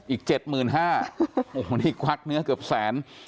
อีก๗หมื่น๕นี่กวัดเนื้อเกือบแสน